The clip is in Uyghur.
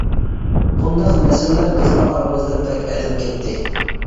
بۇنداق مەسىلىلەر بىزنىڭ ئارىمىزدا بەك ئەدەپ كەتتى.